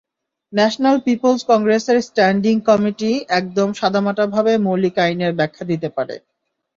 National people's কংগ্রেসের standing committee একদম সাদামাটাভাবে মৌলিক আইনের ব্যাখ্যা দিতে পারে।